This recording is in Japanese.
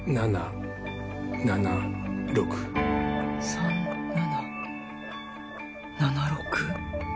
３７７６？